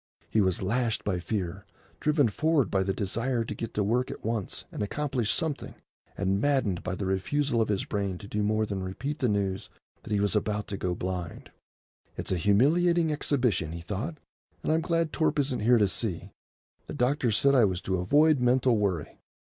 He was lashed by fear, driven forward by the desire to get to work at once and accomplish something, and maddened by the refusal of his brain to do more than repeat the news that he was about to go blind. "It's a humiliating exhibition," he thought, "and I'm glad Torp isn't here to see. The doctor said I was to avoid mental worry.